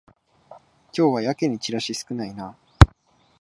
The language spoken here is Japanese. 今日はやけにチラシ少ないな